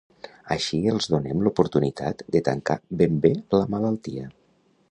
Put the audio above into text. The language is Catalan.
Així els donem l’oportunitat de tancar ben bé la malaltia.